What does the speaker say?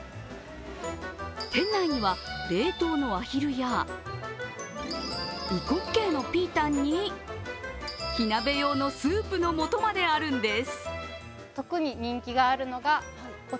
店内には冷凍のアヒルやうこっけいのピータンに火鍋用のスープのもとまであるんです。